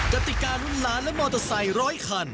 กติการุ่นล้านและมอเตอร์ไซค์ร้อยคัน